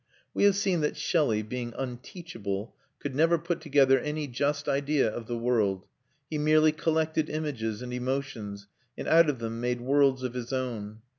We have seen that Shelley, being unteachable, could never put together any just idea of the world: he merely collected images and emotions, and out of them made worlds of his own.